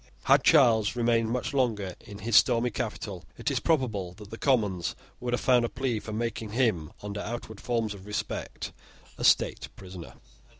Had Charles remained much longer in his stormy capital, it is probable that the Commons would have found a plea for making him, under outward forms of respect, a state prisoner.